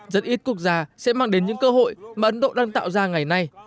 rất ít quốc gia sẽ mang đến những cơ hội mà ấn độ đang tạo ra ngày nay